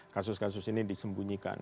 kasus kasus ini disembunyikan